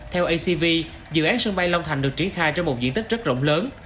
theo acv dự án sân bay long thành được triển khai trên một diện tích rất rộng lớn